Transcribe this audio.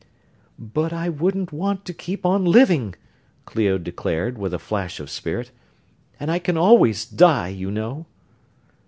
"But I wouldn't want to keep on living!" Clio declared, with a flash of spirit. "And I can always die, you know."